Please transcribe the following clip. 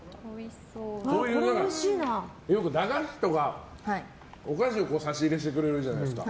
よく駄菓子とかお菓子を差し入れしてくれるじゃないですか。